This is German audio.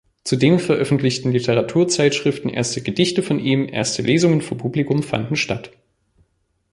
Zudem veröffentlichten Literaturzeitschriften erste Gedichte von ihm, erste Lesungen vor Publikum fanden statt.